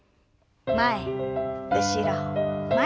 前後ろ前。